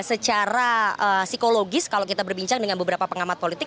secara psikologis kalau kita berbincang dengan beberapa pengamat politik